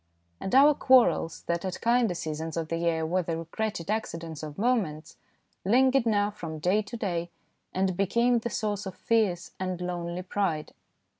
And our quarrels, that at kinder seasons of the year were the regretted acci dents of moments, lingered now from day to day, and became the source of fierce and lonely pride.